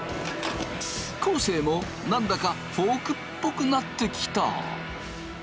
昴生も何だかフォークっぽくなってきた！